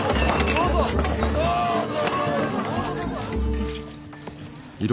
どうぞどうぞ！